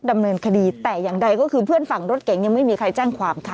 ดำเนินคดีแต่อย่างใดก็คือเพื่อนฝั่งรถเก๋งยังไม่มีใครแจ้งความค่ะ